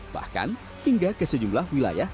bahkan hingga ke sejumlah wilayah